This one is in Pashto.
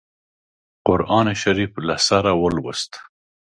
قرآن شریف له سره ولووست.